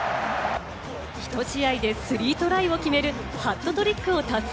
ひと試合でスリートライを決めるハットトリックを達成。